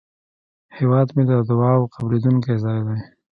هیواد مې د دعاوو قبلېدونکی ځای دی